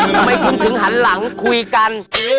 ทำไมคุณถึงหันหลังคุยกัน